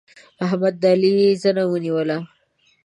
احمد د علي زنه ونيوله.